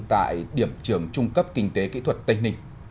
tại điểm trường trung cấp kinh tế kỹ thuật tây ninh